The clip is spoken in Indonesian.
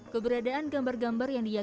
kerangnya tuh kayak gini